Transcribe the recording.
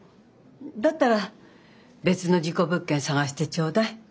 だったら別の事故物件探してちょうだい。